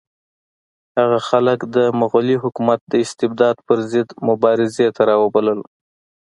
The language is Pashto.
هغه خلک د مغلي حکومت د استبداد پر ضد مبارزې ته راوبلل.